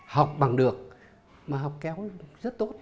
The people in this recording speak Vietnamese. học bằng được mà học kéo rất tốt